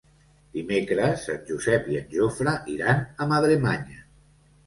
Dimecres en Josep i en Jofre iran a Madremanya.